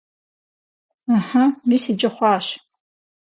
Ыхьы, мис иджы хъуащ!